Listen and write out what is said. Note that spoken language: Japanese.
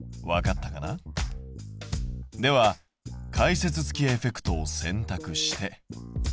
では解説付きエフェクトをせんたくして。